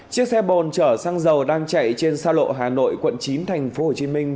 chiếc xe bồn chở xăng dầu đang chạy trên xa lộ hà nội quận chín thành phố hồ chí minh